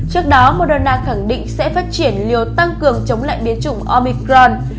trước đó moderna khẳng định sẽ phát triển liều tăng cường chống lại biến chủng omicron